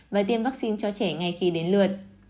và tiêm vaccine cho trẻ ngay khi đến lượt